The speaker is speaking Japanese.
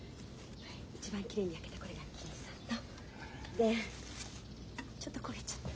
一番きれいに焼けたこれが銀次さんの。でちょっと焦げちゃった。